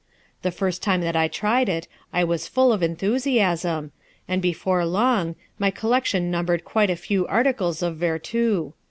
The first time that I tried it I was full of enthusiasm, and before long my collection numbered quite a few articles of vertu.